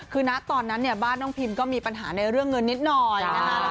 คือนักตอนนั้นบ้านน้องพิมก็มีปัญหาในเรื่องเงินนิดหน่อย